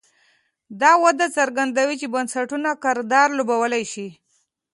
دا وده څرګندوي چې بنسټونه کردار لوبولی شي.